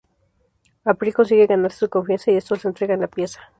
April consigue ganarse su confianza y estos la entregan la pieza.